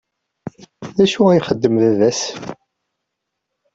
D acu ixeddem baba-s?